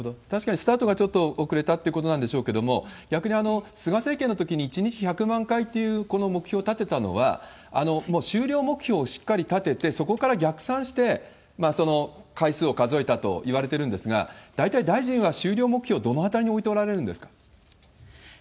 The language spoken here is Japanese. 確かにスタートがちょっと遅れたってことなんでしょうけれども、逆に菅政権のときに１日１００万回っていうこの目標を立てたのは、もう終了目標をしっかり立てて、そこから逆算して、回数を数えたといわれているんですが、大体、大臣は終了目標、どのあたりに当たっておられるんですか？